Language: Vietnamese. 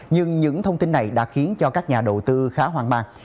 nhưng những thông tin này đã khiến cho các nhà đầu tư khá hoang mang